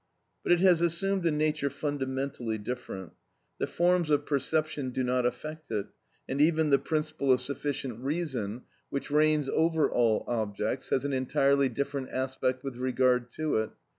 But it has assumed a nature fundamentally different. The forms of perception do not affect it, and even the principle of sufficient reason which reigns over all objects has an entirely different aspect with regard to it.